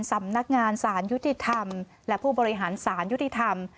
สำนักงานสารยุติธรรมและผู้บริหารสารยุติธรรม